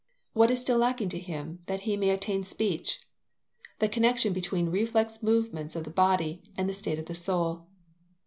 What is still lacking to him, that he may attain to speech? The connexion between the reflex movements of the body and the state of the soul.